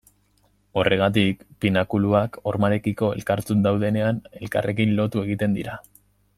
Horregatik pinakuluak hormarekiko elkarzut daudenean, elkarrekin lotu egiten dira.